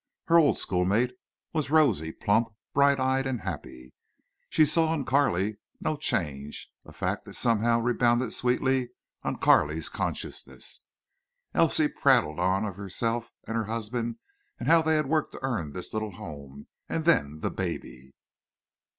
Her old schoolmate was rosy, plump, bright eyed, and happy. She saw in Carley no change—a fact that somehow rebounded sweetly on Carley's consciousness. Elsie prattled of herself and her husband and how they had worked to earn this little home, and then the baby.